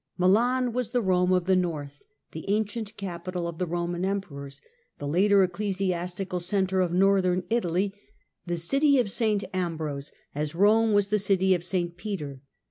Milan was the Eome of the North, the ancient capital of the Eoman Emperors, the later ecclesiastical centre of Northern Italy, the city of St Ambrose, as Eome was the city of St Peter.